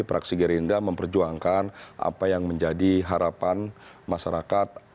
praksi gerindra memperjuangkan apa yang menjadi harapan masyarakat